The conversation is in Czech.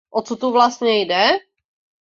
O co tu vlastně jde?